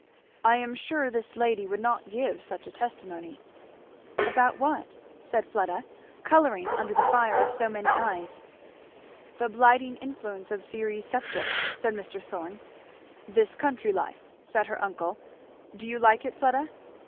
"I am sure this lady would not give such a testimony." "About what?" said Fleda, colouring under the fire of so many eyes. "The blighting influence of Ceres' sceptre," said Mr. Thorn. "This country life," said her uncle; "do you like it, Fleda?"